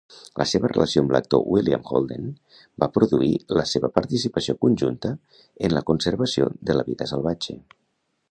La seva relació amb l'actor William Holden va produir la seva participació conjunta en la conservació de la vida salvatge.